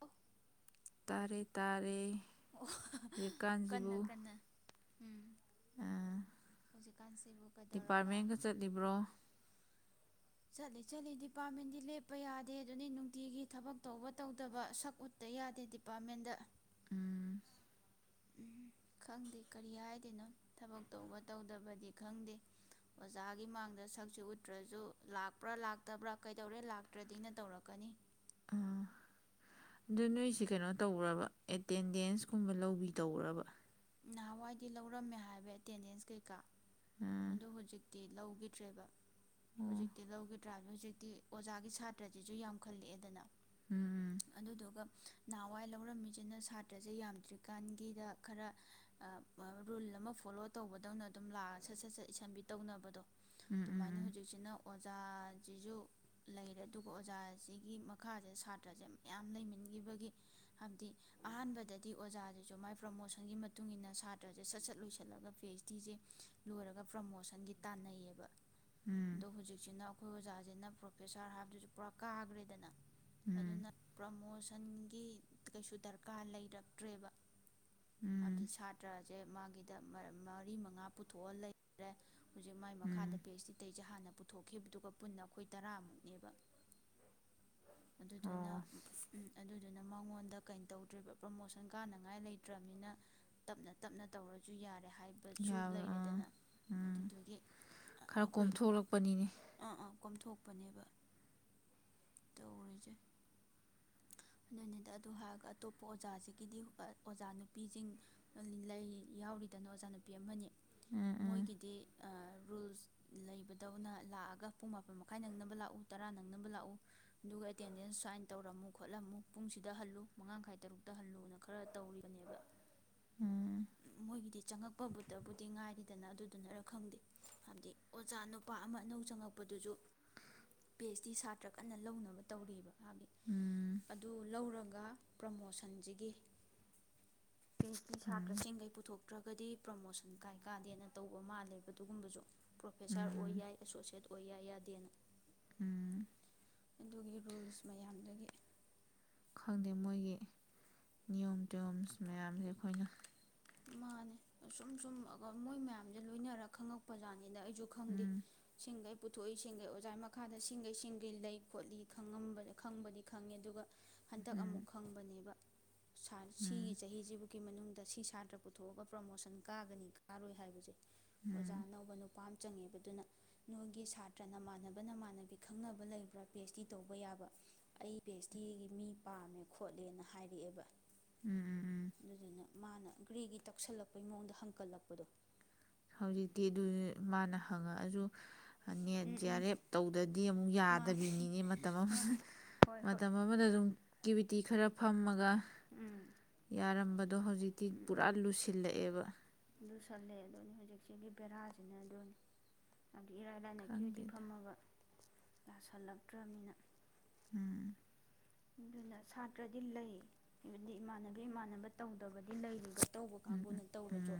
ꯑꯣ ꯇꯔꯦ ꯇꯔꯦ꯫ ꯑꯣ ꯍꯧꯖꯤꯛꯀꯥꯟꯖꯤꯕꯨ ꯇꯥꯕ ꯉꯝꯗꯕ ꯀꯩꯗꯧꯔꯕ ꯑꯑ--ꯗꯤꯄꯥꯔꯠꯃꯦꯟꯒ ꯆꯠꯂꯤꯕ꯭ꯔꯣ ꯆꯠꯂꯤ ꯆꯠꯂꯤ ꯗꯤꯄꯥꯔꯠꯃꯦꯟꯗꯤ ꯂꯦꯞꯄ ꯌꯥꯗꯦ ꯗꯨꯅꯤ ꯅꯨꯡꯇꯤꯒꯤ ꯊꯕꯛ ꯇꯧꯕ ꯇꯧꯗꯕ ꯁꯛ ꯎꯠꯇ ꯌꯥꯗꯦ ꯗꯤꯄꯥꯔꯠꯃꯦꯟꯗ ꯎꯝ ꯎꯝ ꯈꯪꯗꯦ ꯀꯔꯤ ꯍꯥꯏꯗꯣꯏꯅꯣ ꯊꯕꯛ ꯇꯧꯕ ꯇꯧꯗꯕꯗꯤ ꯈꯪꯗꯦ ꯑꯣꯖꯥꯒꯤ ꯃꯥꯡꯗ ꯁꯛꯁꯦ ꯎꯠꯇ꯭ꯔꯖꯨ ꯂꯥꯛꯄ꯭ꯔꯥ ꯂꯥꯛꯇꯕ꯭ꯔꯥ ꯀꯩꯗꯧꯔꯦ ꯂꯥꯛꯇ꯭ꯔꯗꯤꯅ ꯇꯧꯔꯛꯀꯅꯤ ꯑ ꯑꯗꯨ ꯅꯣꯏꯁꯦ ꯀꯩꯅꯣ ꯇꯧꯕ꯭ꯔ ꯕꯥ ꯑꯦꯇꯦꯟꯗꯦꯟꯁꯀꯨꯝꯕ ꯂꯧꯕꯤ ꯇꯧꯕ꯭ꯔꯕ ꯅꯍꯥꯟꯋꯥꯏꯗꯤ ꯂꯧꯔꯝꯃꯦ ꯍꯥꯏꯕ ꯑꯦꯇꯦꯟꯗꯦꯟꯁ ꯀꯩꯀꯥ ꯎꯝ ꯑꯗꯣ ꯍꯨꯖꯤꯛ ꯇꯤ ꯂꯧꯒꯤꯗ꯭ꯔꯦꯕ ꯑꯣ ꯍꯨꯖꯤꯛꯇꯤ ꯂꯧꯒꯤ ꯇ꯭ꯔꯥ ꯍꯨꯖꯤꯛꯇꯤ ꯑꯣꯖꯥꯒꯤ ꯁꯥꯇ꯭ꯔꯁꯤꯁꯨ ꯌꯥꯝꯈꯜꯂꯛꯑꯦꯗꯅ ꯎꯝ ꯑꯗꯨꯗꯨꯒ ꯅꯍꯥꯟꯋꯥꯏ ꯂꯧꯔꯝꯃꯤꯖꯤꯅ ꯁꯥꯇ꯭ꯔꯖꯦ ꯌꯥꯝꯗ꯭ꯔꯤꯀꯥꯟꯒꯤꯗ ꯈꯔ ꯑ- ꯑ-ꯔꯨꯜ ꯑꯃ ꯐꯣꯂꯣ ꯇꯧꯕꯗꯧꯅ ꯑꯗꯨꯝ ꯂꯥꯛꯑ ꯁꯠ ꯁꯠ ꯁꯠ ꯏꯁꯟꯕꯤ ꯇꯧꯅꯕꯗꯣ ꯎꯝ ꯑꯗꯨꯃꯥꯏꯅ ꯎꯝ ꯍꯨꯖꯤꯛꯁꯤꯅ ꯑꯣꯖꯥꯖꯤꯖꯨ ꯂꯩꯔꯦ ꯑꯗꯨꯒ ꯑꯣꯖꯥꯁꯤꯒꯤ ꯃꯈꯥꯖꯦ ꯁꯥꯇ꯭ꯔꯖꯦ ꯃꯌꯥꯝ ꯂꯩꯃꯤꯟꯒꯤꯕꯒꯤ ꯍꯥꯏꯕꯗꯤ ꯑꯍꯥꯟꯕꯗꯗꯤ ꯑꯣꯖꯥꯖꯤꯖꯨ ꯃꯥꯏ ꯄ꯭ꯔꯃꯣꯁꯟꯒꯤ ꯃꯇ ꯃꯇꯨꯡ ꯏꯟꯅ ꯁꯥꯇ꯭ꯔꯖꯦ ꯁꯠ ꯁꯠ ꯂꯣꯏꯁꯜꯂꯒ ꯄꯤ ꯑꯩꯆ ꯗꯤꯖꯦ ꯂꯣꯏꯔꯒ ꯄ꯭ꯔꯃꯣꯁꯟꯒꯤ ꯇꯥꯟꯅꯩꯌꯦꯕ ꯑꯗꯣ ꯍꯨꯖꯤꯛꯁꯤꯅ ꯑꯩꯈꯣꯏ ꯑꯣꯖꯥꯖꯤꯅ ꯄ꯭ꯔꯣꯐꯦꯁꯥꯔ ꯍꯥꯏꯕꯗꯨꯖꯨ ꯄꯨꯔꯥ ꯀꯥꯒ꯭ꯔꯦꯗꯅ ꯎꯝ ꯎꯝ ꯑꯗꯨꯅ ꯄ꯭ꯔꯝ ꯃꯣꯁꯟꯒꯤ ꯀꯩꯁꯨ ꯗꯔꯀꯥꯔ ꯂꯩꯔꯛꯇ꯭ꯔꯦꯕ ꯎꯝ ꯍꯥꯏꯕꯗꯤ ꯁꯥꯇ꯭ꯔꯖꯦ ꯃꯥꯒꯤꯗ ꯃꯔ ꯃꯔꯤ ꯃꯉꯥ ꯄꯨꯊꯣꯛꯑ ꯂꯩꯈꯔꯦ ꯍꯨꯖꯤꯛ ꯃꯥꯏ ꯃꯈꯥꯗ ꯎꯝ ꯄꯤ ꯑꯩꯆ ꯗꯤ ꯇꯩꯁꯦ ꯍꯥꯟꯅ ꯄꯨꯊꯣꯛꯈꯤꯕꯗꯨꯒ ꯄꯨꯟꯅ ꯑꯈꯣꯏ ꯇꯔꯥꯃꯨꯛꯅꯦꯕ ꯑꯗꯨꯗꯨꯅ ꯑꯣ ꯎ ꯎꯝ ꯑꯗꯨꯗꯨꯅ ꯑꯗꯨꯅ ꯃꯉꯣꯟꯗ ꯀꯩꯅꯣ ꯇꯧꯗ꯭ꯔꯤꯕ ꯄ꯭ꯔꯃꯣꯁꯟ ꯀꯥꯅꯉꯥꯏ ꯂꯩꯇ꯭ꯔꯃꯤꯅ ꯇꯞꯅ ꯇꯞꯅ ꯇꯧꯔꯖꯨ ꯌꯥꯔꯦ ꯍꯥꯏꯕꯁꯨ ꯌꯥꯕ ꯑꯥ ꯂꯩꯔꯦꯗꯅ ꯎꯝ ꯑꯗꯨꯗꯨꯒꯤ ꯈꯔ ꯑꯩꯈꯣꯏ ꯀꯣꯝꯊꯣꯛꯂꯛꯄꯅꯤꯅꯦ ꯑꯥ ꯑꯥ ꯀꯣꯝꯊꯣꯛ ꯄꯅꯦꯕ ꯇꯧꯔꯤꯖꯦ ꯑꯗꯨꯅꯤꯗ ꯑꯗꯨ ꯍꯥꯏꯔꯒ ꯑꯇꯣꯞꯄ ꯑꯣꯖꯥꯖꯤꯒꯤꯗꯤ ꯑ-ꯑꯣꯖꯥ ꯅꯨꯄꯤꯖꯤꯡ ꯂꯩ ꯌꯥꯎꯔꯤꯗꯅ ꯑꯣꯖꯥ ꯅꯨꯄꯤ ꯑꯃꯅꯤ ꯎꯝ ꯎꯝ ꯃꯣꯏꯒꯤꯗꯤ ꯑ- ꯔꯨꯜꯁ ꯂꯩꯕꯗꯧꯅ ꯂꯥꯛꯑꯒ ꯄꯨꯡ ꯃꯥꯄꯟ ꯃꯈꯥꯏ ꯅꯪꯅꯕ ꯂꯥꯛꯎ ꯇꯔꯥ ꯅꯪꯅꯕ ꯂꯥꯛꯎ ꯑꯗꯨꯒ ꯑꯦꯇꯦꯟꯗꯦꯟꯁ ꯁꯥꯏꯟ ꯇꯧꯔꯝꯃꯨ ꯈꯣꯠꯂꯝꯃꯨ ꯄꯨꯡꯁꯤꯗ ꯍꯜꯂꯨ ꯃꯉꯥꯡꯈꯥꯏ ꯇꯔꯨꯛꯇ ꯍꯜꯂꯨꯅ ꯈꯔ ꯇꯧꯔꯤꯕꯅꯦꯕ ꯎꯝ- ꯃꯣꯏꯒꯤꯗꯤ ꯆꯪꯉꯛꯄꯕꯨꯇꯕꯨꯗꯤ ꯉꯥꯏꯔꯤꯗꯅ ꯑꯗꯨꯗꯨꯅꯔ ꯈꯪꯗꯦ ꯍꯥꯏꯕꯗꯤ ꯑꯣꯖꯥ ꯅꯨꯄꯥ ꯑꯃ ꯑꯅꯧ ꯆꯪꯉꯛꯄꯗꯨꯖꯨ ꯄꯤ ꯑꯩꯆ ꯗꯤ ꯁꯥ ꯅꯠꯇ꯭ꯔ ꯀꯟꯅ ꯂꯧꯅꯕ ꯇꯧꯔꯤꯕ ꯍꯥꯏꯗꯤ ꯎꯝ ꯑꯗꯨ ꯂꯧꯔꯒ ꯄ꯭ꯔꯃꯣꯁꯟꯖꯤꯒꯤ ꯄꯤ ꯑꯩꯁ ꯗꯤ ꯎꯝ ꯁꯥꯇ꯭ꯔꯁꯤꯡꯒꯩ ꯄꯨꯊꯣꯛ ꯅꯠꯇ꯭ꯔꯒꯗꯤ ꯄ꯭ꯔꯃꯣꯁꯟ ꯀꯥꯏ ꯀꯥꯗꯦꯅ ꯇꯧꯕ ꯃꯥꯜꯂꯦꯕ ꯑꯗꯨꯒꯨꯝꯕꯖꯨ ꯄ꯭ꯔꯣꯐꯦꯁꯔ ꯑꯣꯏ ꯎꯝ ꯌꯥꯏ [unintelligible] ꯑꯣꯏꯌꯥ ꯌꯥꯗꯦꯅ ꯎꯝ ꯑꯗꯨꯒꯤ ꯔꯨꯜꯁ ꯃꯌꯥꯝꯗꯒꯤ ꯈꯪꯗꯦ ꯃꯣꯏꯒꯤ ꯅꯤꯌꯣꯝ ꯇꯤꯌꯣꯝꯁ ꯃꯌꯥꯝꯁꯦ ꯑꯩꯈꯣꯏꯅ ꯃꯥꯅꯦ ꯁꯨꯝ ꯁꯨꯝ ꯃꯣꯏ ꯃꯌꯥꯝꯁꯦ ꯂꯣꯏꯅꯔ ꯈꯪꯉꯛꯄꯖꯥꯠꯅꯤ ꯑꯗ ꯑꯩꯁꯨ ꯈꯪꯗꯦ ꯎꯝ ꯁꯤꯡꯗꯩ ꯄꯨꯊꯣꯛꯏ ꯁꯤꯡꯒꯩ ꯑꯣꯖꯥꯒꯤ ꯃꯈꯥꯗ ꯁꯤꯡꯒꯩ ꯁꯤꯡꯒꯩ ꯂꯩ ꯈꯣꯠꯂꯤ ꯈꯪꯉꯝꯕ ꯈꯪꯕꯗꯤ ꯈꯪꯉꯤ ꯑꯗꯨꯒ ꯍꯟꯗꯛ ꯑꯃꯨꯛ ꯎꯝ ꯈꯪꯕꯅꯦꯕ ꯎꯝ ꯁꯤꯒꯤ ꯆꯍꯤꯁꯤꯕꯨꯛꯀꯤꯒꯤ ꯃꯅꯨꯡꯗ ꯗ ꯁꯤ ꯁꯥꯇ꯭ꯔ ꯄꯨꯊꯣꯛꯑꯒ ꯄ꯭ꯔꯣꯃꯣꯁꯟ ꯀꯥꯒꯅꯤ ꯀꯥꯔꯣꯏ ꯍꯥꯏꯕꯁꯦ ꯑꯣꯖꯥ ꯎꯝ ꯑꯅꯧꯕ ꯅꯨꯄꯥ ꯑꯃ ꯆꯪꯉꯦꯕ ꯑꯗꯨꯅ ꯅꯣꯏꯒꯤ ꯁꯥꯇ꯭ꯔ ꯅꯃꯥꯟꯅꯕ ꯅꯃꯥꯟꯅꯕꯤ ꯈꯪꯅꯕ ꯂꯩꯕ꯭ꯔꯥ ꯄꯤ ꯑꯩꯆ ꯗꯤ ꯇꯧꯕ ꯌꯥꯕ ꯑꯩ ꯄꯤ ꯑꯩꯆ ꯗꯤꯒꯤ ꯃꯤ ꯄꯥꯝꯃꯦ ꯈꯣꯠꯂꯦꯅ ꯍꯥꯏꯔꯛꯑꯦꯕ ꯎꯝ ꯎꯝ ꯎꯝ ꯑꯗꯨꯗꯨꯅ ꯃꯥꯅ ꯒꯔ꯭ꯤ ꯒꯔꯤ ꯇꯛꯁꯜꯂꯛꯄꯩ ꯃꯑꯣꯡꯗ ꯍꯪꯀꯠꯂꯛꯄꯗꯣ ꯍꯧꯖꯤꯛꯇꯤ ꯑꯗꯨꯅꯤ ꯃꯥꯅ ꯍꯪꯉꯛꯑꯁꯨ NET um J um R F ꯇꯧꯗ꯭ꯔꯗꯤ ꯑꯃꯨꯛ ꯃꯥꯅꯦ ꯌꯥꯗꯕꯤꯅꯤꯅꯦ ꯃꯇꯝ ꯑꯃꯗ ꯎꯝ ꯍꯣꯏ ꯍꯣꯏ ꯃꯇꯝ ꯑꯃꯗ ꯑꯗꯨꯝ ꯑꯦꯛꯇꯤꯕꯤꯇꯤ ꯈꯔ ꯐꯝꯃꯒ ꯎꯝ ꯌꯥꯔꯝꯕꯗꯣ ꯍꯧꯖꯤꯛꯇꯤ ꯎꯝ ꯄꯨꯔꯥ ꯎꯝ ꯂꯨꯁꯤꯜꯂꯛꯑꯦꯕ ꯂꯨꯁꯜꯂꯦ ꯑꯗꯨꯅꯤ ꯍꯧꯖꯤꯛꯁꯤꯒꯤ ꯕꯦꯔꯥꯁꯤꯅ ꯑꯗꯨꯅꯤ ꯏꯔꯥꯏ ꯂꯥꯏꯅ ꯀ꯭ꯌꯨꯗꯤ ꯈꯪꯗꯦꯗ ꯐꯝꯃꯕ ꯌꯥꯁꯤꯜꯂꯛꯇ꯭ꯔꯕꯅꯤꯅ ꯎꯝ ꯑꯗꯨꯅ ꯁꯥꯇ꯭ꯔꯗꯤ ꯂꯩ ꯍꯥꯏꯕꯗꯤ ꯏꯃꯥꯟꯅꯕ ꯏꯃꯥꯟꯅꯕ ꯇꯧꯗꯕꯗꯤ ꯂꯩꯔꯤꯕ ꯇꯧꯕ ꯎꯝ ꯎꯝ ꯀꯥꯡꯒꯨꯅ ꯇꯧꯔꯁꯨ ꯎꯝ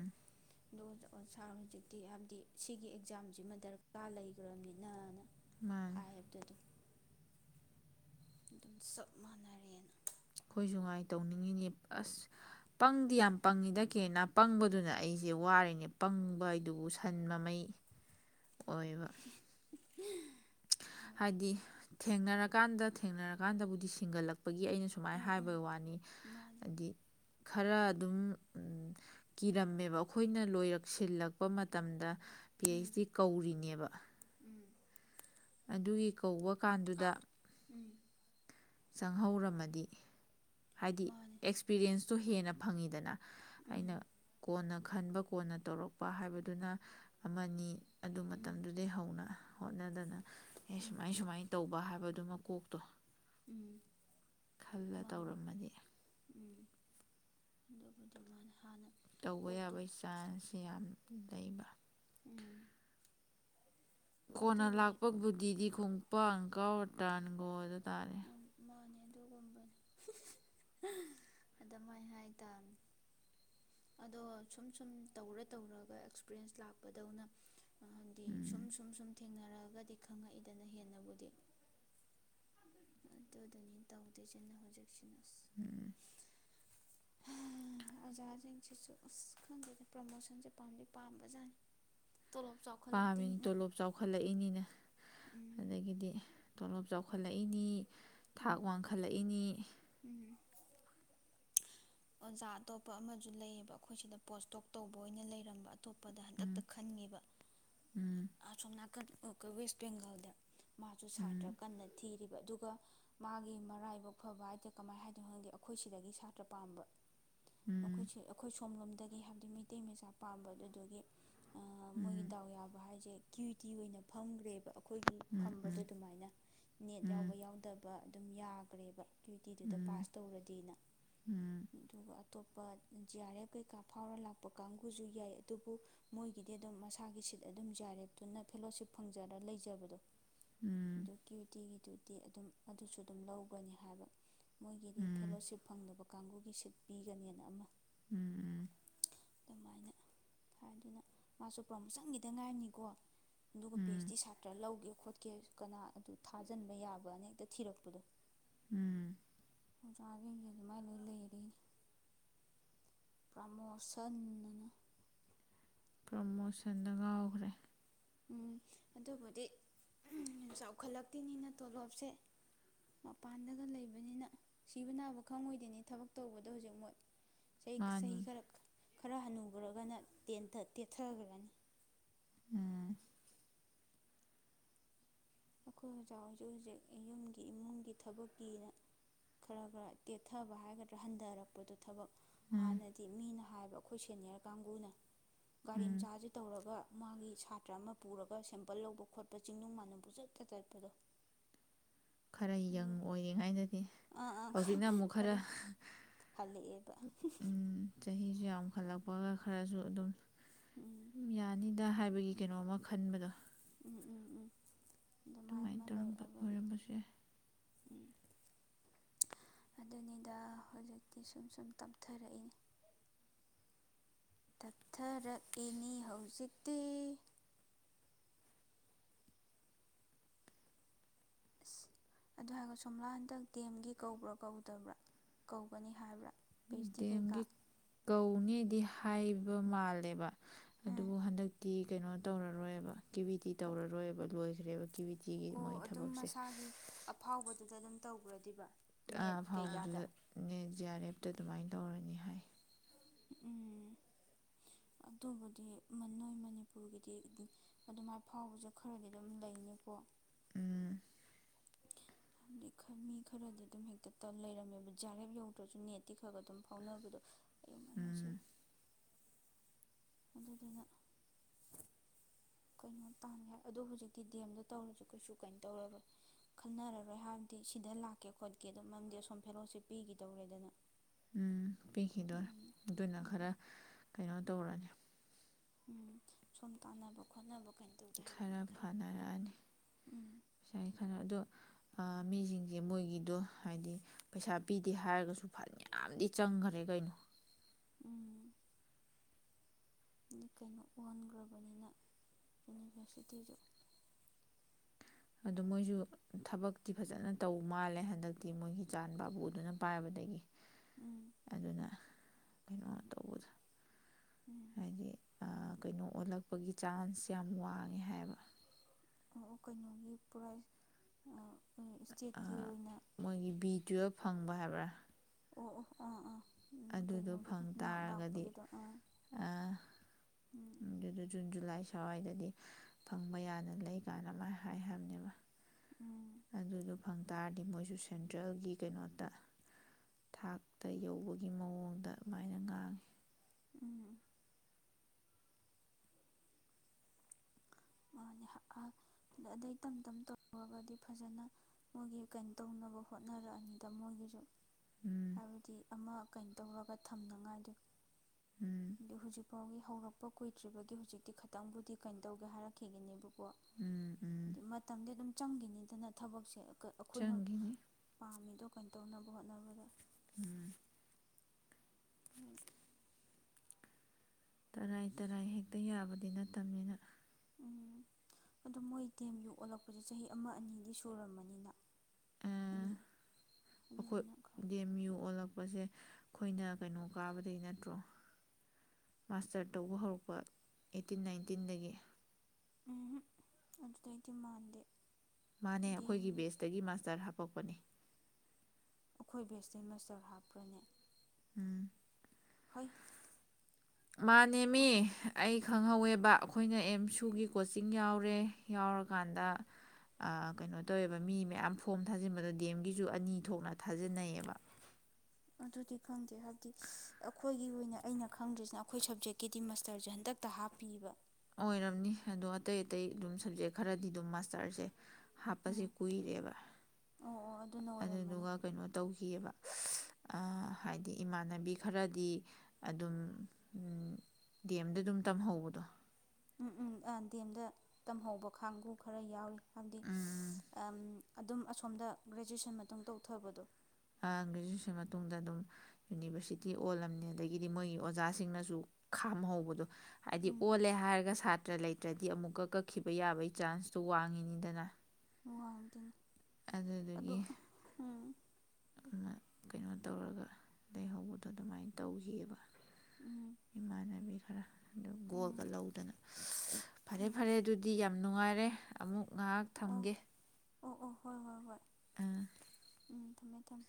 ꯑꯗꯣ ꯁꯥꯔ ꯍꯧꯖꯤꯛꯇꯤ ꯍꯥꯏꯕꯗꯤ ꯁꯤꯒꯤ ꯑꯦꯛꯖꯥꯝꯁꯤꯃ ꯗꯔꯀꯥꯔ ꯂꯩꯈ꯭ꯔꯕꯅꯤꯅꯅ ꯃꯥꯅꯤ ꯍꯥꯏꯕꯗ ꯑꯗꯨ ꯑꯗꯨꯝ ꯆꯞ ꯃꯥꯟꯅꯔꯦꯅ ꯑꯩꯈꯣꯏꯁꯨ ꯉꯥꯏ ꯇꯧꯅꯤꯡꯉꯤꯅꯦ ꯑꯁ ꯄꯪꯗꯤ ꯌꯥꯝ ꯄꯪꯉꯤꯗ ꯀꯦꯔꯤꯅꯥ ꯄꯪꯕꯗꯨꯅ ꯑꯩꯁꯦ ꯋꯥꯔꯤꯅꯦ ꯄꯪꯕ ꯑꯩꯗꯨꯕꯨ ꯁꯟ ꯃꯃꯩ ꯑꯣꯏꯕ ꯍꯣꯏ ꯍꯥꯏꯗꯤ ꯊꯦꯡꯅꯔꯀꯥꯟꯗ ꯊꯦꯡꯅꯔꯀꯥꯟꯗꯕꯨꯗꯤ ꯁꯤꯡꯒꯠꯂꯛ ꯄꯒꯤ ꯑꯩꯅ ꯁꯨꯃꯥꯏꯅ ꯎꯝ ꯎꯝ ꯍꯥꯏꯕ ꯋꯥꯅꯤ ꯃꯥꯅꯤ ꯍꯥꯏꯗꯤ ꯈꯔ ꯑꯗꯨꯝ ꯀꯤꯔꯝꯃꯦꯕ ꯑꯩꯈꯣꯏꯅ ꯂꯣꯏꯔꯛꯁꯤꯜꯂꯛꯄ ꯃꯇꯝꯗ ꯄꯤ ꯑꯩꯩꯆ ꯎꯝ ꯗꯤ ꯀꯧꯔꯤꯅꯦꯕ ꯎꯝ ꯑꯗꯨꯒꯤ ꯀꯧꯕ ꯀꯥꯟꯗꯨꯗ ꯎꯝ ꯆꯪꯍꯧꯔꯝꯃꯗꯤ ꯍꯥꯏꯗꯤ ꯃꯥꯅꯤ ꯑꯦꯛꯁꯄꯤꯔꯤꯌꯦꯟꯁ ꯁꯨ ꯍꯦꯟꯅ ꯐꯪꯉꯤꯗꯅ ꯎꯝ ꯑꯩꯅ ꯀꯣꯟꯅ ꯈꯟꯕ ꯀꯣꯟꯅ ꯇꯧꯔꯛꯄ ꯍꯥꯏꯕꯗꯨꯅ ꯑꯃꯅꯤ ꯑꯗꯨ ꯎꯝ ꯃꯇꯝꯗꯨꯗꯩ ꯍꯧꯅ ꯍꯣꯠꯅꯗꯅ ꯑꯦ ꯎꯝ ꯁꯨꯃꯥꯏ ꯁꯨꯃꯥꯏꯅ ꯇꯧꯕ ꯍꯥꯏꯕꯗꯨꯃꯛ ꯀꯣꯛꯇꯣ ꯎꯝ ꯈꯜꯂ ꯇꯧꯔꯝꯃꯅꯤ ꯈꯟꯗꯕꯗꫭ ꯃꯥꯅ ꯍꯥꯟꯅ ꯇꯧꯕ ꯀꯣꯛꯇꯣ ꯌꯥꯕꯒꯤ ꯆꯥꯟꯁꯁꯦ ꯌꯥꯝ ꯂꯩꯕ ꯎꯝ ꯀꯣꯟꯅ ꯑꯗꯨꯕꯨꯗꯤ ꯂꯥꯛꯄꯕꯨꯗꯤꯗꯤ ꯈꯣꯡꯄꯥꯡ ꯀꯧꯔ ꯇꯟꯒꫭꯗ ꯇꯥꯔꯦ ꯎꯝ ꯃꯥꯅꯦ ꯑꯗꯨꯒꯨꯝꯕꯅꯦ ꯑꯗꯨꯃꯥꯏꯅ ꯍꯥꯏꯇꯥꯔꯦ ꯑꯗꯣ ꯁꯨꯝ ꯁꯨꯝ ꯇꯧꯔ ꯇꯧꯔꯒ ꯑꯦꯛꯁꯄꯔꯤꯌꯦꯟꯁ ꯂꯥꯛꯄꯗꯧꯅ [unintelligible] ꯎꯝ ꯁꯨꯝ ꯁꯨꯝ ꯁꯨꯝ ꯊꯦꯡꯅꯔꯛꯒꯗꯤ ꯈꯪꯉꯛꯏꯗꯅ ꯍꯦꯟꯅꯕꯨꯗꯤ ꯑꯗꯨꯗꯨꯅꯤ ꯇꯧꯗꫭꯏ ꯁꯤꯅ ꯍꯧꯖꯤꯛꯁꯤꯅ ꯎꯝ ꯍ ꯑꯣꯖꯥꯖꯤꯡꯁꯤꯁꯨ ꯑꯁ ꯈꯪꯗꯦꯗ ꯄ꯭ꯔꯃꯣꯁꯟꯁꯦ ꯄꯥꯝꯗꯤ ꯄꯥꯝꯕꯖꯥꯠꯅꯤ ꯇꯣꯂꯣꯞ ꯄꯥꯝꯃꯤꯅꯤ ꯆꯥꯎꯈꯠꯂꯛꯇꯣꯏꯅꯤꯅ ꯇꯣꯂꯣꯞ ꯆꯥꯎꯈꯠꯂꯛꯏꯅꯤꯅ ꯎꯝ ꯑꯗꯒꯤꯗꯤ ꯇꯣꯂꯣꯞ ꯆꯥꯎꯈꯠꯂꯛꯏꯅꯤ ꯊꯥꯛ ꯎꯝ ꯋꯥꯡꯈꯠꯂꯛꯏꯅꯤ ꯎꯝ ꯑꯣꯖꯥ ꯑꯇꯣꯞꯄ ꯑꯃꯖꯨ ꯂꯩꯌꯦꯕ ꯑꯩꯈꯣꯏ ꯁꯤꯗ ꯄꯣꯁꯇꯣꯛ ꯇꯧꯕ ꯑꯣꯏꯅ ꯂꯩꯔꯝꯕ ꯑꯇꯣꯞꯄꯗ ꯎꯝ ꯍꯟꯗꯛꯇ ꯈꯟꯒꯤꯕ ꯎꯝ ꯑꯁꯣꯝꯅ [inaudible] ꯋꯦꯁ ꯕꯦꯡꯒꯥꯜꯗ ꯃꯥꯖꯨ ꯎꯝ ꯁꯥꯇ꯭ꯔ ꯀꯟꯅ ꯊꯤꯔꯤꯕ ꯑꯗꯨ [unintelligible] ꯃꯥꯒꯤ ꯃꯔꯥꯏꯕꯛ ꯐꯕ ꯍꯥꯏꯇꯦ ꯀꯃꯥꯏ ꯍꯥꯏꯗꯨꯅꯣ ꯈꯪꯗꯦ ꯑꯩꯈꯣꯏ ꯁꯤꯗꯒꯤ ꯁꯥꯇ꯭ꯔ ꯄꯥꯝꯕ ꯎꯝ ꯃꯈꯣꯏꯁꯦ ꯑꯩꯈꯣꯏꯁꯨ ꯁꯣꯝꯂꯣꯝꯗꯒꯤ ꯍꯥꯏꯕꯗꯤ ꯃꯩꯇꯩ ꯃꯆꯥ ꯄꯥꯝꯕ ꯑꯗꯨꯗꯨꯒꯤ ꯑꯩ ꯃꯣꯏꯒꯤ ꯗꯥꯎ ꯌꯥꯕ ꯍꯥꯏꯖꯦ ꯀ꯭ꯌꯨ ꯌꯨ ꯇꯤ ꯑꯣꯏꯅ ꯐꯝꯈꯒ꯭ꯔꯦꯕ ꯑꯩꯈꯣꯏꯒꯤ ꯎꯝ ꯎꯝ ꯐꯝꯕꯗꯣ ꯗꯨꯃꯥꯏꯅ ꯅꯦꯠ ꯎꯝ ꯌꯥꯎꯕ ꯌꯥꯎꯗꯕ ꯑꯗꯨꯝ ꯌꯥꯒ꯭ꯔꯦꯕ ꯀ꯭ꯌꯨ ꯌꯨ ꯇꯤ ꯎꯝ ꯗꯨꯗ ꯎꯝ ꯄꯥꯁ ꯇꯧꯔꯗꯤꯅ ꯎꯝ ꯑꯗꯨꯒ ꯑꯇꯣꯞꯄ ꯖꯤ ꯑꯥꯔ ꯑꯦꯐ ꯀꯩꯀꯥ ꯐꯥꯎꯔ ꯂꯥꯛꯄ ꯀꯥꯡꯒꯨꯖꯨ ꯌꯥꯏ ꯑꯗꯨꯕꯨ ꯃꯣꯏꯒꯤꯗꯤ ꯑꯗꯨꯝ ꯃꯁꯥꯒꯤ ꯁꯤꯠ ꯑꯗꯨꯝ ꯖꯤ ꯑꯥꯔ ꯑꯦꯐ ꯇꯨꯅ ꯐꯦꯂꯣꯁꯤꯞ ꯐꯪꯖꯔ ꯂꯩꯖꯕꯗꯣ ꯎꯝ [unintelligible] ꯀ꯭ꯌꯨ ꯌꯨ ꯇꯤ ꯒꯤ ꯑꯗꯨꯗꯤ ꯑꯗꯨꯝ ꯑꯗꯨꯁꯨ ꯑꯗꯨꯝ ꯂꯧꯒꯅꯤ ꯍꯥꯏꯕ ꯃꯣꯏꯒꯤꯗꯤ ꯐꯦꯂꯣꯁꯤꯞ ꯐꯪꯗꯕ꯫ ꯀꯥꯡꯒꯨ꯫ ꯁꯤꯠ ꯄꯤꯒꯅꯦꯅ ꯑꯃ꯫ ꯎꯝ ꯎꯝ꯫ ꯑꯗꯨꯃꯥꯏꯅ ꯍꯥꯏꯗꯨꯅ ꯃꯥꯁꯨ ꯄ꯭ꯔꯃꯣꯁꯟ ꯒꯤꯗ ꯉꯥꯏꯔꯤꯅꯤꯀꯣ꯫ ꯑꯗꯨꯒ ꯄꯤ ꯎꯝ ꯍꯩ ꯗꯤ ꯁꯥꯇ꯭ꯔ ꯂꯧꯒꯦ꯫ ꯈꯣꯠꯀꯦ ꯀꯅꯥ ꯑꯗꯨ ꯊꯥꯖꯤꯟꯕ ꯌꯥꯕꯅ ꯍꯦꯛꯇ ꯊꯤꯔꯛꯄꯗꯣ꯫ ꯎꯝ꯫ ꯑꯣꯖꯥꯒꯩꯒꯤ ꯑꯗꯨꯃꯥꯏꯅ ꯂꯣꯏ ꯂꯩꯌꯦ꯫ ꯄ꯭ꯔꯃꯣꯁꯟ ꯑꯅ꯫ ꯄ꯭ꯔꯃꯣꯁꯟꯗ ꯉꯥꯎꯒꯔꯦ꯫ ꯎꯝ ꯑꯗꯨꯕꯨꯗꯤ ꯆꯥꯎꯈꯠꯂꯛꯇꯣꯏꯅꯤꯅ ꯇꯣꯂꯣꯞꯁꯦ ꯃꯄꯥꯟꯗꯒ ꯂꯩꯕꯅꯤꯅ ꯁꯤꯕ ꯅꯥꯕ ꯈꯪꯉꯣꯏꯗꯣꯏꯅꯦ ꯊꯕꯛ ꯇꯧꯕꯗ ꯍꯧꯖꯤꯛ ꯃꯣꯏ꯫ ꯆꯍꯤ ꯆꯍꯤ ꯃꯥꯅꯤ ꯈꯔꯛ ꯈꯔ ꯍꯟꯅꯨꯒꯔꯥꯒꯅ ꯇꯦꯟꯊ ꯇꯦꯊꯒ꯭ꯔꯅꯤ꯫ ꯎꯝ꯫ ꯑꯩꯈꯣꯏ ꯑꯣꯖꯥ ꯍꯣꯏꯖꯨ ꯍꯧꯖꯤꯛ ꯌꯨꯝꯒꯤ ꯏꯃꯨꯡꯒꯤ ꯊꯕꯛꯀꯤꯅ ꯈꯔ ꯈꯔ ꯇꯦꯊꯕ ꯍꯥꯏꯒꯗ꯭ꯔꯥ ꯍꯟꯊꯔꯛꯄꯗꯣ꯫ ꯊꯕꯛ ꯎꯝ ꯍꯥꯟꯅꯗꯤ ꯃꯤꯅ ꯍꯥꯏꯕ ꯑꯩꯈꯣꯏ ꯁꯦꯅꯤꯌꯥꯔ ꯀꯥꯡꯕꯨꯅ꯫ ꯒꯥꯔꯤꯝ ꯎꯝ ꯆꯥꯖꯤ ꯇꯧꯔꯒ ꯃꯥꯒꯤ ꯁꯥꯇ꯭ꯔ ꯑꯃ ꯄꯨꯔꯒ ꯁꯦꯝꯄꯜ ꯂꯧꯕ ꯈꯣꯠꯄ ꯆꯤꯡꯅꯨꯡ ꯃꯥꯅꯨꯡ ꯄꯨꯡꯆꯠ [unintelligible] ꯈꯔ ꯌꯪ ꯑꯗꯨ ꯑꯣꯏꯔꯤꯉꯥꯏꯗꯗꯤ ꯑꯥ ꯑꯥ ꯍꯧꯖꯤꯛꯅ ꯑꯃꯨꯛ ꯈꯔ ꯍꯜꯂꯛꯑꯦꯕ ꯎꯝ꯫ ꯆꯍꯤꯁꯨ ꯌꯥꯝꯈꯠꯂꯛꯄꯒ ꯈꯔꯖꯨ ꯑꯗꯨꯝ ꯎꯝ ꯌꯥꯅꯤ꯫ ꯗ ꯍꯥꯏꯕꯒꯤ ꯀꯩꯅꯣꯝꯃ ꯈꯟꯕꯗꯣ꯫ ꯎꯝ ꯎꯝ ꯎꯝ ꯑꯗꯨꯃꯥꯏ ꯑꯃ ꯇꯧꯔꯝꯕ ꯂꯩꯔꯛꯑꯕꯒꯤ ꯑꯣꯏꯔꯝꯕꯁꯨ ꯌꯥꯏ꯫ ꯎꯝ ꯑꯗꯨꯅꯤꯗ ꯍꯧꯖꯤꯛꯇꯤ ꯁꯨꯝ ꯁꯨꯝ ꯇꯞꯊꯔꯛꯏꯅꯤ ꯇꯞꯊꯔꯛꯏꯅꯤ ꯍꯧꯖꯤꯛꯇꯤ꯫ ꯑꯁ ꯑꯗꯨ ꯍꯥꯏꯔꯒ ꯁꯣꯝꯂꯥ ꯍꯟꯗꯛ ꯗꯦꯝꯒꯤ ꯀꯧꯕ꯭ꯔꯥ ꯀꯧꯗꯕ꯭ꯔꯥ ꯀꯧꯒꯅꯤ ꯍꯥꯏꯕ꯭ꯔꯥ꯫ ꯄꯤ ꯑꯩꯆ ꯗꯤ ꯀꯩꯀꯥ ꯗꯦꯝꯒꯤ ꯀꯧ꯫ ꯅꯦꯗꯤ ꯍꯥꯏꯕ ꯃꯥꯜꯂꯦꯕ꯫ ꯎꯝ ꯑꯗꯨꯕꯨ ꯍꯟꯗꯛ ꯗꯤ ꯀꯩꯅꯣ ꯇꯧꯔꯔꯣꯏꯕ ꯀꯤꯌꯨ ꯏ ꯇꯤ ꯀꯩ ꯇꯧꯔꯔꯣꯏꯕ ꯂꯣꯏꯒꯔꯦꯕ꯫ ꯑꯣ ꯑꯗꯨꯝ ꯃꯁꯥꯒꯤ ꯑꯐꯥꯎꯕꯗꯨꯗ ꯑꯗꯨꯝ ꯇꯧꯒ꯭꯭ꯔꯗꯤꯕ꯫ ꯑ ꯐꯥꯎꯕꯗꯨꯗ ꯅꯦꯠ ꯖꯤ ꯑꯔ ꯑꯦꯄ꯫ ꯑꯗꯨ ꯑꯗꯨꯃꯥꯏꯅ ꯇꯧꯔꯅꯤ ꯍꯥꯏ꯫ ꯎꯝ ꯑꯗꯨꯕꯨꯗꯤ ꯅꯣꯏ ꯃꯅꯤꯄꯨꯔꯒꯤꯗꯤ ꯑꯗꯨꯃꯥꯏꯅ ꯐꯥꯎꯕꯁꯦ ꯈꯔꯗꯤ ꯑꯗꯨꯝ ꯂꯩꯅꯦꯀꯣ꯫ ꯎꯝ꯫ ꯗꯤ ꯃꯤ ꯈꯔꯗꯤ ꯑꯗꯨꯝ ꯍꯦꯛꯇ ꯂꯩꯔꯝꯃꯦꯕ ꯖ ꯑꯥꯔ ꯑꯦꯐ ꯌꯧꯗ꯭ꯔꯁꯨ ꯅꯦꯠꯇꯤ ꯈꯔ ꯈ ꯑꯗꯨꯝ ꯐꯥꯎꯅꯕꯗꯣ ꯑꯩꯥꯏ ꯃꯁ ꯎꯝ ꯑꯗꯨꯗꯨꯅ ꯀꯩꯅꯣ ꯇꯥꯟꯒꯦ ꯍꯥꯏ ꯑꯗ ꯍꯧꯖꯤꯛꯇꯤ ꯗꯦꯝꯗ ꯇꯧꯔꯁꯨ ꯀꯩꯁꯨ ꯀꯥꯏꯩꯅꯣ ꯇꯧꯔꯔꯣꯏ ꯈꯟꯅꯔꯔꯣꯏ ꯍꯥꯏꯕꯗꯤ ꯁꯤꯗ ꯂꯥꯛꯀꯦ ꯈꯣꯠꯀꯦ ꯑꯗꯨꯝ ꯃꯔꯝꯗꯤ ꯑꯁꯣꯝ ꯐꯦꯔꯣꯁꯦ ꯄꯤꯈꯤꯗꯧꯔꯦꯗꯅ ꯎꯝ ꯄꯤꯈꯤꯗꯣꯏꯔ ꯑꯗꯨꯗꯨꯅ ꯑꯗꯨꯅ ꯎꯝ ꯈꯔ ꯀꯩꯅꯣ ꯇꯧꯔꯅꯤ ꯎꯝ ꯁꯣꯨꯝ ꯇꯥꯟꯅꯕ ꯈꯣꯠꯅꯕ ꯀꯩꯅꯣ ꯇꯧꯒꯦ ꯈꯔ ꯍꯥꯏꯔꯛꯑꯅꯤ ꯐꯅꯔꯛꯑꯅꯤ ꯎꯝ ꯉꯁꯥꯏ ꯈꯜꯂ ꯑꯗꯣ ꯃꯤꯁꯤꯡꯁꯦ ꯃꯣꯏꯒꯤꯗꯣ ꯍꯥꯏꯗꯤ ꯄꯩꯁꯥ ꯄꯤꯗꯦ ꯍꯥꯏꯔꯒꯁꯨ ꯐꯟ ꯌꯥꯝꯗꯤ ꯆꯪꯈ꯭ꯔꯦ ꯀꯩꯅꯣ ꯀꯩꯅꯣ ꯑꯣꯍꯟꯈ꯭ꯔꯕꯅꯤꯅ ꯌꯨꯅꯤꯚꯔꯁꯤꯇꯤꯗ ꯑꯗꯨ ꯃꯣꯏꯁꯨ ꯊꯕꯛꯇꯤ ꯐꯖꯅ ꯇꯧ ꯃꯥꯜꯂꯦ ꯍꯟꯗꯛꯇꯤ ꯃꯣꯏꯒꯤ ꯏ ꯆꯥꯟ ꯕꯥꯕꯨ ꯑꯗꯨꯅ ꯄꯥꯏꯕꯗꯒꯤ ꯎꯝ ꯑꯗꯨꯅ ꯀꯩꯅꯩꯅ ꯋꯥ ꯇꯧꯕ ꯎꯝ ꯍꯥꯏꯗꯤ ꯀꯩꯅꯣ ꯑꯣꯜꯂꯛꯄꯒꯤ ꯆꯥꯟꯁ ꯌꯥꯝ ꯋꯥꯡꯉꯦ ꯍꯥꯏꯕ ꯑꯣ ꯀꯩꯅꯣꯒꯤ ꯄꯨꯔꯥ ꯏꯁꯇꯦꯠꯀꯤ ꯑꯣꯏꯅ ꯃꯣꯏꯒꯤ ꯕꯤ ꯇꯨꯌꯦꯜꯞ ꯐꯪꯕ ꯍꯥꯏꯕ꯭ꯔꯥ ꯑꯣ ꯑꯣ ꯑꯥ ꯑꯥ ꯎꯝ ꯑꯗꯨꯗꯣ ꯀꯩꯅꯣꯒꯤꯗꯣ ꯐꯪ ꯅꯥꯛ ꯇꯥꯔꯒꯗꯤ ꯂꯥꯛꯄꯒꯤꯗꯣ ꯑꯥ ꯎꯝ ꯑꯗꯨꯗ ꯖꯨꯟ ꯖꯨꯂꯥꯏ ꯁ꯭ꯋꯥꯏꯗꯗꯤ ꯐꯪꯕ ꯌꯥꯅ ꯂꯩ ꯀꯥꯏꯅ ꯃꯥꯥꯏꯅ ꯍꯥꯏ ꯍꯥꯏꯕꯅꯦꯕ ꯎꯝ ꯑꯗꯨꯗꯣ ꯐꯪ ꯇꯥꯔꯗꯤ ꯃꯣꯏꯁꯨ ꯁꯦꯟꯇ꯭ꯔꯦꯜꯒꯤ ꯀꯩꯅꯣꯗ ꯊꯥꯛꯇ ꯌꯧꯕꯒꯤ ꯃꯑꯣꯡꯗ ꯑꯗꯨꯃꯥꯏꯅ ꯉꯥꯡꯉꯤ ꯎꯝ ꯃꯥ ꯑꯗꯩ ꯇꯝ ꯇꯝ ꯇꯧꯔꯒꯗꯤ ꯐꯖꯅ ꯃꯣꯏꯒꯤ ꯀꯩꯅꯣ ꯇꯧꯅꯕ ꯍꯣꯠꯅꯔꯛꯑꯅꯤꯗ ꯃꯣꯏꯒꯤꯁꯨ ꯎꯝ ꯍꯥꯏꯕꯗꯤ ꯑꯃ ꯀꯩꯅꯣ ꯇꯧꯔꯒ ꯊꯝꯅꯉꯥꯏꯗꯨ ꯎꯝ ꯗꯍꯖꯤꯨꯞ ꯐꯥꯎꯒꯤ ꯍꯧꯔꯛꯄ ꯀꯨꯏꯗ꯭ꯔꯤꯕꯒꯤ ꯍꯧꯖꯤꯛꯇꯤ ꯈꯈꯤꯇꯪꯕꯨꯗꯤ ꯀꯩꯅ ꯇꯧꯒꯦ ꯍꯥꯏꯔꯛ ꯀꯒꯤꯅꯦꯕꯨ ꯎꯝ ꯎꯝ ꯍꯥꯏꯗꯤ ꯃꯇꯝꯗꯤ ꯑꯗꯨꯝ ꯆꯪꯈꯤꯅꯤꯗꯅ ꯊꯕꯛꯁꯦ ꯑꯩꯈꯣꯏꯅ ꯆꯪꯈꯤꯅꯤ ꯄꯥꯝꯃꯤꯗꯣ ꯑꯩꯈꯣꯏꯅ ꯇꯧꯅꯕ ꯍꯣꯠꯅꯕꯗ ꯎꯝ ꯎꯝ ꯇꯔꯥꯏ ꯇꯔꯥꯏ ꯍꯦꯛꯇ ꯌꯥꯕꯗꯤ ꯅꯠꯇꯕꯅꯤꯅ ꯎꯝ ꯑꯗꯣ ꯃꯣꯏ ꯗꯦꯝ ꯌꯨ ꯑꯣꯜꯂꯛꯄꯁꯦ ꯆꯍꯤ ꯑꯃ ꯑꯅꯤꯗꯤ ꯁꯨꯔꯝꯃꯅꯤꯅ ꯑꯅꯤ ꯑꯗꯨꯗꯨꯅ ꯈꯔ ꯑꯩꯈꯣꯏꯒꯤꯦꯝ ꯌꯨ ꯑꯣꯜꯂꯛꯄ ꯍꯧꯛꯄꯁꯦ ꯑꯩꯈꯣꯏꯅ ꯀꯩꯅꯣ ꯀꯥꯕꯗꯒꯤ ꯅꯠꯇ꯭ꯔꯣ ꯃꯥꯁꯇꯔ ꯇꯧꯕ ꯍꯧꯔꯛꯄ ꯑꯩꯠꯇꯤꯟ ꯅꯥꯏꯟꯇꯤꯟꯗꯒꯤ ꯎꯝ ꯑꯗꯨꯗꯩꯗꯤ ꯃꯥꯟꯗꯦ ꯃꯥꯅꯦ ꯗꯤ ꯑꯩꯈꯣꯏꯒꯤ ꯑꯦꯝꯅꯤ ꯕꯦꯁꯇꯒꯤ ꯃꯥꯁꯇꯔ ꯍꯥ ꯄꯣꯛꯄꯅꯤ ꯑꯩꯈꯣꯏ ꯕꯦꯁꯇ ꯃꯥꯁꯇꯔ ꯍꯥꯞꯄ꯭ꯔꯅꯦ ꯎꯝ ꯍꯣꯏ ꯃꯥꯅꯦꯃꯤ ꯑꯩ ꯈꯪꯍꯧꯋꯦꯕ ꯑꯩꯈꯣꯏꯅ ꯑꯦꯝ ꯁꯨꯒꯤ ꯀꯣꯆꯤꯡ ꯌꯥꯎꯔꯦ ꯌꯥꯎꯔꯀꯥꯟꯗ ꯑ ꯀꯩꯅꯣ ꯇꯧꯋꯦꯕ ꯃꯤ ꯃꯌꯥꯝ ꯐꯣꯝ ꯊꯥꯖꯤꯟꯕꯗ ꯗꯤ ꯑꯦꯝꯒꯤꯁꯨ ꯑꯅꯤ ꯊꯣꯛꯅ ꯊꯥꯖꯤꯟꯅꯩꯌꯦꯕ ꯑꯗꯨꯗꯤ ꯈꯪꯗꯦ ꯍꯥꯏꯕꯗꯤ ꯑꯩꯈꯣꯏꯒꯤ ꯑꯣꯏꯅ ꯑꯩꯅ ꯈꯪꯗ꯭ꯔꯤꯁꯤꯅ ꯑꯩꯈꯣꯏ ꯁꯞꯖꯦꯛꯀꯤꯗꯤ ꯃꯥꯁꯇꯔꯁꯦ ꯍꯟꯗꯛꯇ ꯍꯥꯞꯄꯤꯕ ꯑꯣꯏꯔꯝꯅꯤ ꯑꯗꯣ ꯑꯇꯩ ꯑꯇꯩ ꯑꯗꯨꯝ ꯁꯕꯖꯦꯛ ꯈꯔꯗꯤ ꯑꯗꯨꯝ ꯃꯥꯁꯇꯔꯁꯦ ꯎꯝ ꯍꯥꯞꯄꯁꯦ ꯀꯨꯏꯔꯦꯕ ꯑꯣ ꯑꯣ ꯑꯗꯨꯅ ꯑꯣꯏꯔꯝꯃꯅꯤ ꯑꯗꯨꯗꯨꯒ ꯀꯩꯅꯣ ꯇꯧꯈꯤꯌꯦꯕ ꯍꯥꯏꯗꯤ ꯏꯃꯥꯟꯅꯕꯤ ꯈꯔꯗꯤ ꯑꯗꯨꯝ ꯗꯤ ꯑꯦꯝꯗ ꯑꯗꯨꯝ ꯇꯝꯍꯧꯕꯗꯣ ꯎꯝ ꯎꯝ ꯑ ꯗꯤ ꯑꯦꯝꯗ ꯇꯝꯍꯧꯕ ꯀꯥꯡꯕꯨ ꯈꯔ ꯌꯥꯎꯔꯤ ꯍꯥꯏꯗꯤ ꯑꯝ ꯑꯗꯨꯝ ꯑꯁꯣꯝꯗ ꯒ꯭ꯔꯦꯖꯨꯑꯦꯁꯟ ꯃꯇꯨꯡ ꯇꯧꯊꯕꯗꯣ ꯑꯥ ꯒ꯭ꯔꯦꯖꯨꯋꯦꯁꯟ ꯃꯇꯨꯡꯗ ꯑꯗꯨꯝ ꯌꯨꯅꯤꯚꯔꯁꯤꯇꯤ ꯑꯣꯜꯂꯝꯅꯦ ꯑꯗꯒꯤꯗꯤ ꯃꯣꯏꯒꯤ ꯑꯣꯖꯥꯁꯤꯡꯅꯁꯨ ꯈꯥꯝꯍꯧꯕꯗꯣ ꯍꯥꯏꯗꯤ ꯑꯣꯜꯂꯦ ꯍꯥꯏꯔꯒ ꯁꯥ ꯇ꯭ꯔ ꯂꯩꯇ꯭ꯔꯗꯤ ꯑꯃꯨꯛꯀ ꯀꯛꯈꯤꯕ ꯌꯥꯕꯒꯤ ꯆꯥꯟꯁꯇꯣ ꯋꯥꯡꯉꯤꯅꯤꯗꯅ ꯋꯥꯡꯗꯤꯅꯤ ꯑꯗꯨꯗꯒꯤ ꯀꯩꯅꯣ ꯇꯧꯔꯒ ꯂꯩꯍꯧꯕꯗꯣ ꯑꯗꯨꯃꯥꯏꯅ ꯇꯧꯈꯤꯌꯦꯕ ꯎꯝ ꯏꯃꯥꯟꯅꯕꯤ ꯈꯔ ꯑꯗꯨ ꯎꯝ ꯒꯣꯜꯒ ꯂꯧꯗꯅ ꯐꯔꯦ ꯎꯝ ꯐꯔꯦ ꯑꯗꯨꯗꯤ ꯌꯥꯝ ꯌꯥꯝ ꯅꯨꯡꯉꯥꯏꯔꯦ ꯑꯃꯨꯛ ꯉꯥꯏꯍꯥꯛ ꯑꯣ ꯊꯝꯒꯦ ꯑꯣ ꯑꯣ ꯍꯣꯏ ꯍꯣꯏ ꯍꯣꯏ ꯎꯝ ꯊꯝꯃꯦ ꯊꯝꯃꯦ